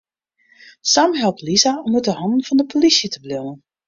Sam helpt Lisa om út 'e hannen fan de polysje te bliuwen.